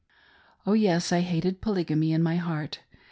Oh yes, I hated Polygamy in my heart.